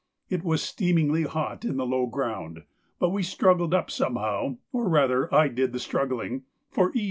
It was steamingly hot in the low ground, but we struggled up somehow, or rather I did the struggling, for E.